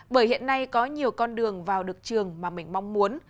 bởi hiện nay có nhiều con đường vào được trường mà mình mong muốn